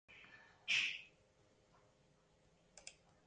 Erredentzioarekin lotuago dagoela uste dut.